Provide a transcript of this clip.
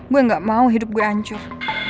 gue gak mau hidup gue hancur